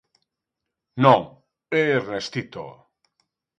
Non, é Ernestito.